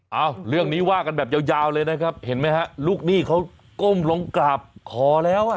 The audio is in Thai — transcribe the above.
เอาเรื่องนี้ว่ากันแบบยาวเลยนะครับเห็นไหมฮะลูกหนี้เขาก้มลงกราบขอแล้วอ่ะ